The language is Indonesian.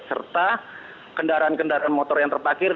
serta kendaraan kendaraan motor yang terpakir